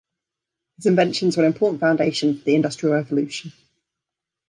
His inventions were an important foundation for the Industrial Revolution.